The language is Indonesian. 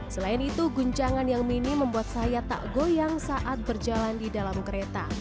selain itu guncangan yang minim membuat saya tak goyang saat berjalan di dalam kereta